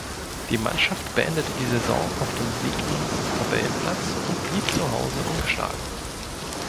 Die Mannschaft beendete die Saison auf dem siebten Tabellenplatz und blieb zu Hause ungeschlagen.